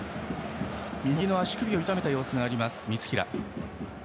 右の足首を痛めた様子がある三平。